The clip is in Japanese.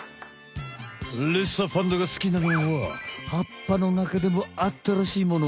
レッサーパンダが好きなのは葉っぱのなかでも新しいもの。